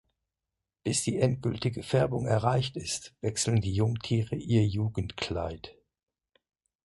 Bis die endgültige Färbung erreicht ist, wechseln die Jungtiere ihr Jugendkleid.